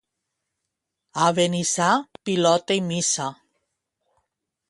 A Benissa, pilota i missa.